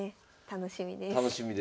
楽しみです。